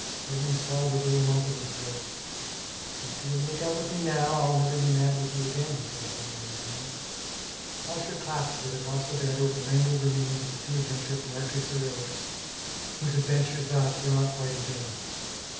Edmund swallowed a little lump in his throat. "If you'll make up with me, now, I'll never be mad with you again," said he, holding out his hand. Oscar clasped it across the bed over the mangled remains of the too adventurous Marcus Aurelius, whose adventures, thus, were not quite in vain.